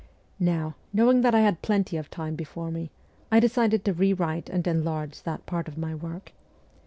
Now, knowing that I had plenty of time before me, I decided to rewrite and enlarge that part of my work.